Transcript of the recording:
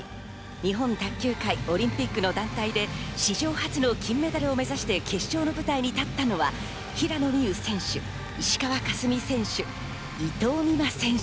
日本卓球界、オリンピックの団体で史上初の金メダルを目指して決勝の舞台に立ったのは、平野美宇選手、石川佳純選手、伊藤美誠選手。